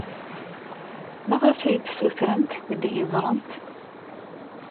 Maɣef ay d-ssutrent ad iyi-ẓrent?